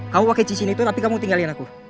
kamu pake cincin itu tapi kamu tinggalin aku